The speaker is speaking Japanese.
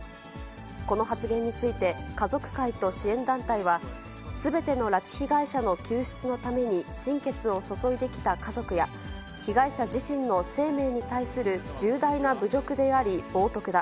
この発言について、家族会と支援団体は、すべての拉致被害者の救出のために、心血を注いできた家族や、被害者自身の生命に対する重大な侮辱であり、冒とくだ。